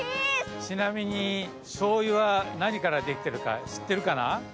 ちなみにしょうゆはなにからできてるかしってるかな？